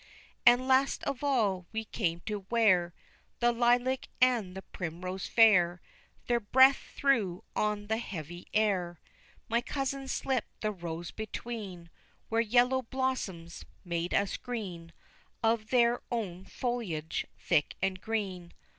And last of all we came to where The lilac and the primrose fair Their breath threw on the heavy air. My cousin slipped the rows between, Where yellow blossoms made a screen Of their own foliage thick and green.